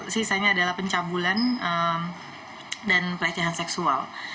sisanya adalah pencabulan dan pelecehan seksual